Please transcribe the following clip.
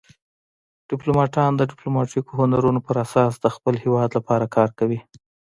ډیپلوماتان د ډیپلوماتیکو هنرونو په اساس د خپل هیواد لپاره کار کوي